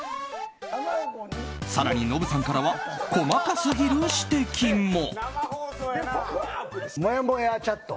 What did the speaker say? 更にノブさんからは細かすぎる指摘も。